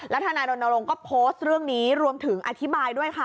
ทนายรณรงค์ก็โพสต์เรื่องนี้รวมถึงอธิบายด้วยค่ะ